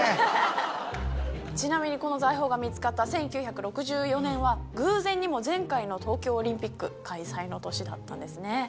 ちなみにこの財宝が見つかった１９６４年は偶然にも前回の東京オリンピック開催の年だったんですね。